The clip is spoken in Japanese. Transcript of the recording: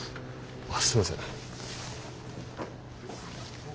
あっすいません。